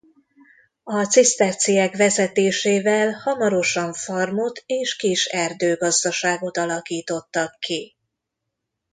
A ciszterciek vezetésével hamarosan farmot és kis erdőgazdaságot alakítottak ki.